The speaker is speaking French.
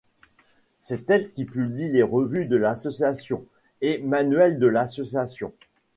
C'est elle qui publie les revues de l'association, et manuels de l'association.